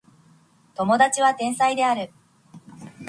友達は天才である